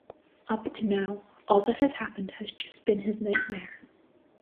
Up to now, all that has happened has just been his nightmare.